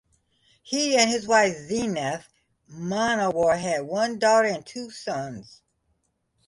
He and his wife Zeenath Munawar had one daughter and two sons.